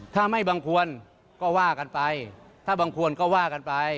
ถ้าไม่บังควรก็ว่ากันไปถ้าบังควรก็ว่ากันไป